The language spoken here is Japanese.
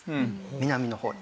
南の方に。